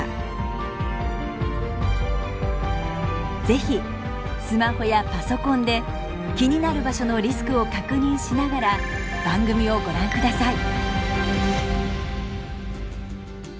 是非スマホやパソコンで気になる場所のリスクを確認しながら番組をご覧ください。